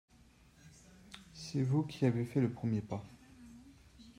C’est vous qui avez fait le premier pas.